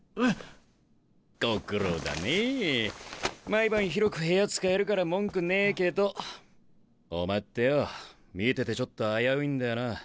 毎晩広く部屋使えるから文句ねえけどお前ってよぉ見ててちょっと危ういんだよな。